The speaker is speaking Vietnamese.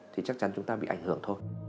thì chắc chắn chúng ta bị ảnh hưởng thôi